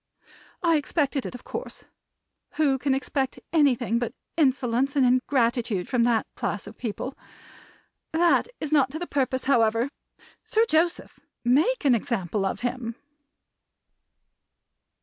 I expected it, of course; who can expect anything but insolence and ingratitude from that class of people? That is not to the purpose, however. Sir Joseph! Make an example of him!"